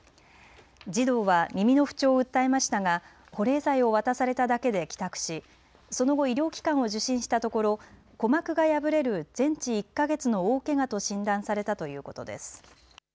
児童は耳の不調を訴えましたが保冷剤を渡されただけで帰宅しその後医療機関を受診したところ鼓膜が破れる全治１か月の大けがと診断されたということです。